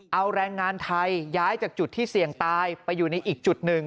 เอาแรงงานไทยย้ายจากจุดที่เสี่ยงตายไปอยู่ในอีกจุดหนึ่ง